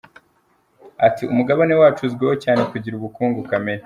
Ati “Umugabane wacu uzwiho cyane kugira ubukungu kamere.